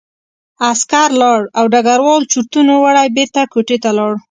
عسکر لاړ او ډګروال چورتونو وړی بېرته کوټې ته لاړ